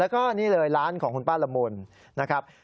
แล้วก็นี่เลยร้านของคุณป้าละมุนนะครับ